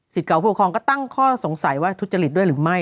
เก่าผู้ปกครองก็ตั้งข้อสงสัยว่าทุจริตด้วยหรือไม่